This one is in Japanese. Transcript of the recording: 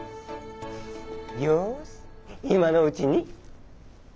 よしいまのうちに。